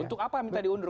untuk apa minta diundur